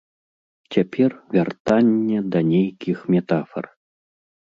Цяпер вяртанне да нейкіх метафар.